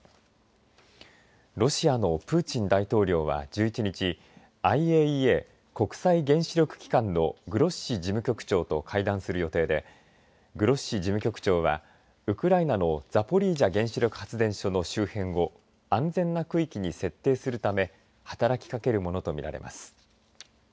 ロシアのプーチン大統領は１１日ＩＡＥＡ、国際原子力機関のグロッシ事務局長と会談する予定でグロッシ事務局長はウクライナのザポリージャ原子力発電所の周辺を安全な区域に設定するため働きかけるものと見られます。